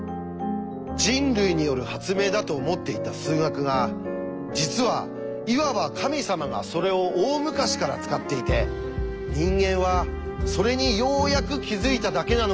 人類による発明だと思っていた数学が実はいわば神様がそれを大昔から使っていて人間はそれにようやく気付いただけなのかもしれない。